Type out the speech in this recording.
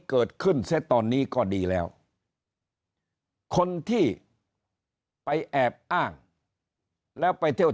เกิดขึ้นซะตอนนี้ก็ดีแล้วคนที่ไปแอบอ้างแล้วไปเที่ยว